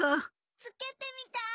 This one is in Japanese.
つけてみたい！